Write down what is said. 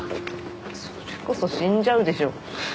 それこそ死んじゃうでしょ。